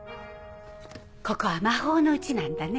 ここは魔法の家なんだね。